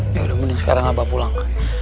ya udah mending sekarang abah pulang